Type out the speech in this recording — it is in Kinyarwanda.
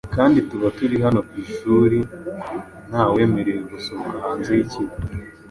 kandi tuba turi hano ku ishuri ntawemerewe gusohoka hanze y’ikigo